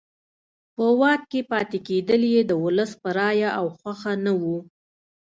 په واک کې پاتې کېدل یې د ولس په رایه او خوښه نه وو.